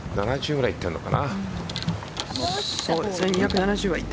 ２７０ぐらい、いってるのかな。